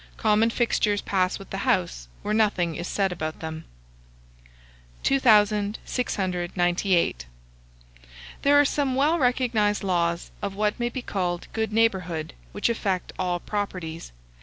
Common fixtures pass with the house, where nothing is said about them. 2698. There are some well recognized laws, of what may be called good neighbourhood, which affect all properties.